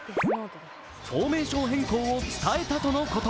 フォーメーション変更を伝えたとのこと。